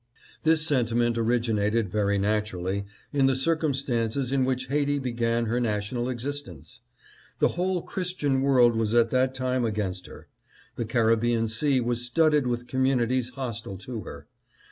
" This sentiment originated, very naturally, in the cir cumstances in which Haiti began her national existence. The whole Christian world was at that time against her. The Caribbean Sea was studded with communities hostile to her.